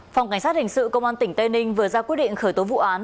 phòng cảnh sát hình sự công an tỉnh tây ninh vừa ra quyết định khởi tố vụ án